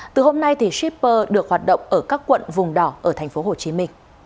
từ hôm nay shipper được hoạt động ở các quận vùng đỏ ở tp hcm